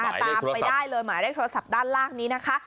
ตามไปได้เลยหมายเลขโทรศัพท์ด้านล่างนี้นะคะ